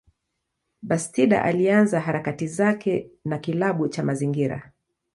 Bastida alianza harakati zake na kilabu cha mazingira.